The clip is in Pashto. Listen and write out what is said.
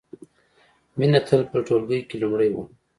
مینه تل په ټولګي کې لومړۍ وه